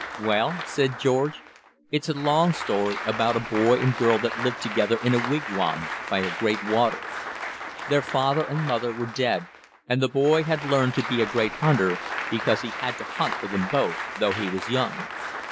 "Well," said George, "it's a long story about a boy and girl that lived together in a wigwam by a great water. Their father and mother were dead, and the boy had learned to be a great hunter, because he had to hunt for them both, though he was young.